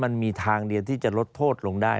มันมีทางเดียวที่จะลดโทษลงได้